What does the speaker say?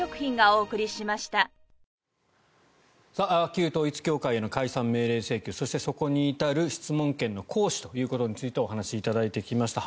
旧統一教会の解散命令請求そして、そこに至る質問権の行使ということについてお話しいただいてきました。